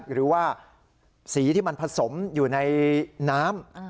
หรือว่าสีที่มันผสมอยู่ในน้ำ